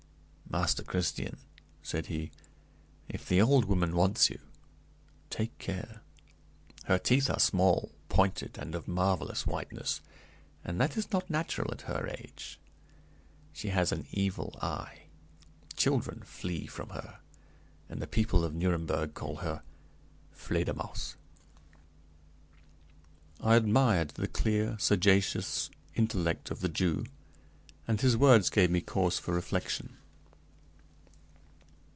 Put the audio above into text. "Master Christian," said he, "if the old woman wants you, take care! Her teeth are small, pointed, and of marvelous whiteness, and that is not natural at her age. She has an 'evil eye.' Children flee from her, and the people of Nuremberg call her 'Fledermausse.'" I admired the clear, sagacious intellect of the Jew, and his words gave me cause for reflection.